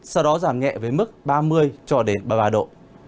sau đó giảm nhẹ với mức ba mươi ba mươi ba độ